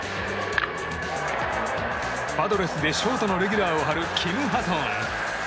パドレスでショートのレギュラーを張るキム・ハソン。